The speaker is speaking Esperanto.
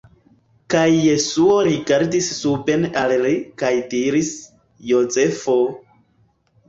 Kaj Jesuo rigardis suben al li, kaj diris: "Jozefo...